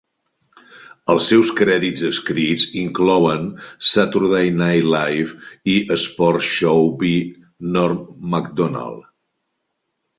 Els seus crèdits escrits inclouen Saturday Night Live i Sports Show with Norm Macdonald.